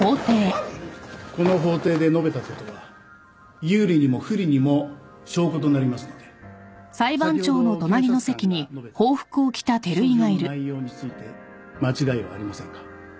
この法廷で述べたことは有利にも不利にも証拠となりますので先ほど検察官が述べた起訴状の内容について間違いはありませんか？